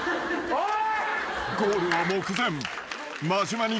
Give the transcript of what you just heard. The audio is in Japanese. おい！